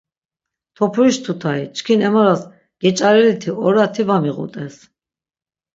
Topuriş tutai, çkin emoras geç̆areliti, orati va miğut̆es.